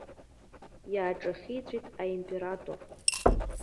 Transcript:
Иааҿахиҵәеит аимператор.